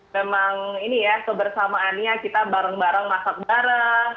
memang ini ya kebersamaannya kita bareng bareng masak bareng